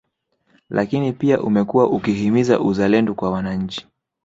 Lakini pia umekuwa ukihimiza uzalendo kwa wananchi